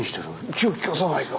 気を利かさないか。